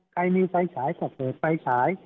ใครมีไฟฉายก็เกิดไฟฉาย